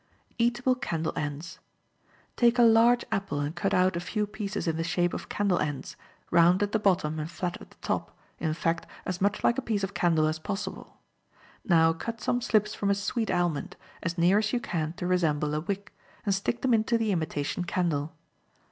Eatable Candle Ends.—Take a large apple and cut out a few pieces in the shape of candle ends, round at the bottom and flat at the top, in fact, as much like a piece of candle as possible. Now cut some slips from a sweet almond, as near as you can to resemble a wick. and stick them into the imitation candle.